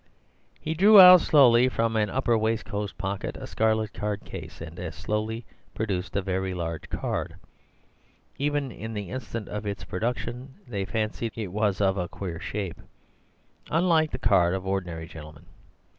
He drew out slowly from an upper waistcoat pocket a scarlet card case, and as slowly produced a very large card. Even in the instant of its production, they fancied it was of a queer shape, unlike the cards of ordinary gentlemen.